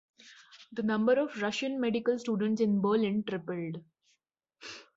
The number of Russian medical students in Berlin tripled.